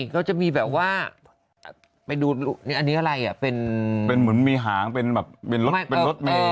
เขาจะมีแบบว่าไปดูอันนี้อะไรอ่ะเป็นเหมือนมีหางเป็นแบบเป็นรถเมย์